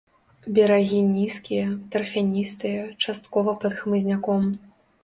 Берагі нізкія, тарфяністыя, часткова пад хмызняком.